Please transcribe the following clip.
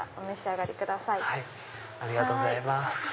ありがとうございます。